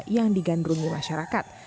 yang digandungi masyarakat